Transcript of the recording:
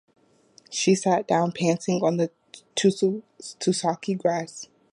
She sat down, panting, on the tussocky grass.